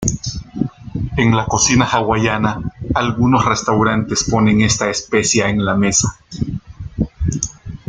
En la cocina hawaiana algunos restaurantes ponen esta especia en la mesa.